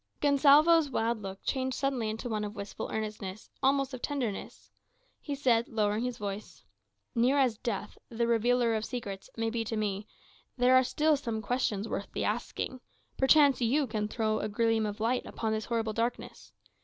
Gonsalvo's wild look changed suddenly into one of wistful earnestness, almost of tenderness. He said, lowering his voice, "Near as death, the revealer of secrets, may be to me, there are still some questions worth the asking. Perchance you can throw a gleam of light upon this horrible darkness.